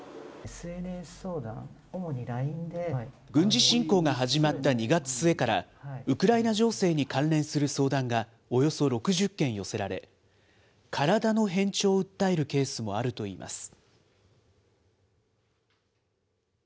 軍事侵攻が始まった２月末から、ウクライナ情勢に関連する相談がおよそ６０件寄せられ、体の変調を訴えるケースもあるといいます。